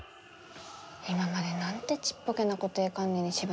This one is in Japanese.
今までなんてちっぽけな固定観念に縛られてきたんだろう。